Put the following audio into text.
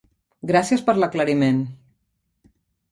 Gràcies per l'aclariment!